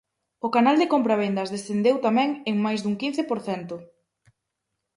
O canal de compravendas descendeu tamén en máis dun quince por cento.